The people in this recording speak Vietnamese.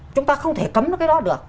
chúng ta không thể cấm cái đó được